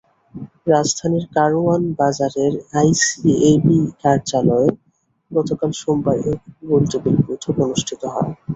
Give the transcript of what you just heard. রাজধানীর কারওয়ান বাজারে আইসিএবি কার্যালয়ে গতকাল সোমবার এ গোলটেবিল বৈঠক অনুষ্ঠিত হয়।